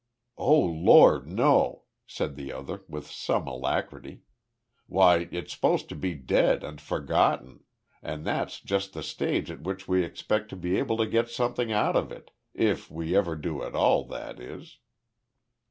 "Oh Lord, no," said the other, with some alacrity. "Why, it's supposed to be dead and forgotten, and that's just the stage at which we expect to be able to get something out of it if we ever do at all, that is."